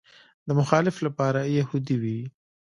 د مخالفت لپاره یهودي وي.